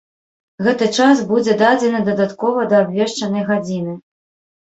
Гэты час будзе дадзены дадаткова да абвешчанай гадзіны.